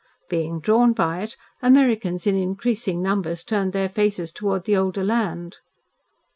Being drawn by it, Americans in increasing numbers turned their faces towards the older land.